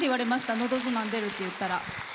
「のど自慢」出るって言ったら。